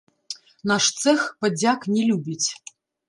Наш цэх падзяк не любіць.